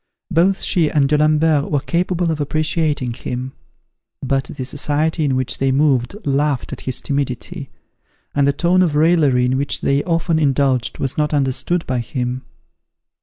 Both she and D'Alembert were capable of appreciating him; but the society in which they moved laughed at his timidity, and the tone of raillery in which they often indulged was not understood by him.